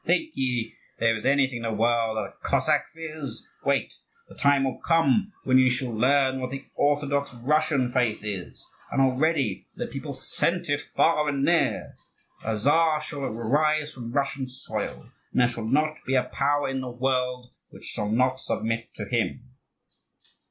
Think ye there is anything in the world that a Cossack fears? Wait; the time will come when ye shall learn what the orthodox Russian faith is! Already the people scent it far and near. A czar shall arise from Russian soil, and there shall not be a power in the world which shall not submit to him!"